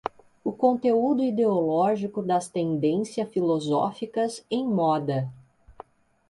o conteúdo ideológico das tendência filosóficas em moda